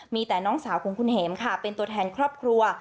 มีแต่น้องสาวของคุณเห็มค่ะเป็นตัวแทนครอบครัว